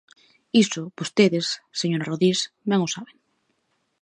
Iso, vostedes, señora Rodís, ben o saben.